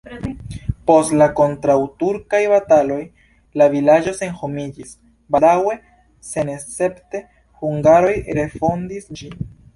Post la kontraŭturkaj bataloj la vilaĝo senhomiĝis, baldaŭe senescepte hungaroj refondis ĝin.